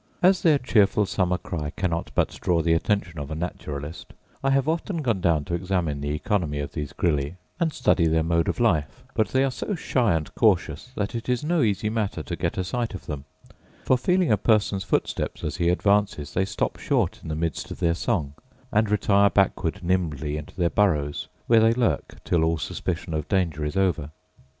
As their cheerful summer cry cannot but draw the attention of a naturalist, I have often gone down to examine the oeconomy of these grylli, and study their mode of life: but they are so shy and cautious that it is no easy matter to get a sight of them; for, feeling a person's footsteps as he advances, they stop short in the midst of their song, and retire backward nimbly into their burrows, where they lurk till all suspicion of danger is over.